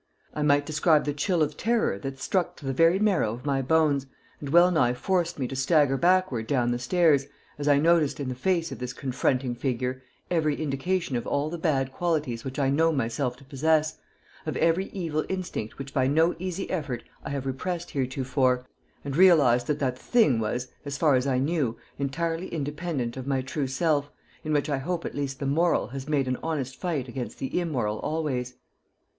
I might describe the chill of terror that struck to the very marrow of my bones, and wellnigh forced me to stagger backward down the stairs, as I noticed in the face of this confronting figure every indication of all the bad qualities which I know myself to possess, of every evil instinct which by no easy effort I have repressed heretofore, and realized that that thing was, as far as I knew, entirely independent of my true self, in which I hope at least the moral has made an honest fight against the immoral always.